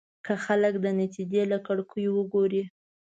که خلک د نتيجې له کړکيو وګوري.